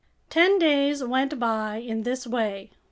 Ten days went by in this way.